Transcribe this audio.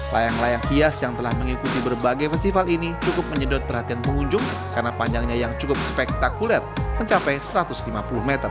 layang layang hias yang telah mengikuti berbagai festival ini cukup menyedot perhatian pengunjung karena panjangnya yang cukup spektakulet mencapai satu ratus lima puluh meter